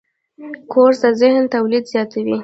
کورس د ذهن تولید زیاتوي.